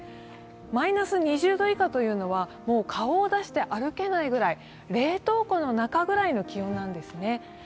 マイナス２０度以下というのはもう顔を出して歩けないくらい冷凍庫の中ぐらいの気温なんですね。